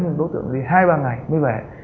nhưng đối tượng đi hai ba ngày mới về